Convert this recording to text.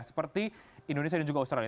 seperti indonesia dan juga australia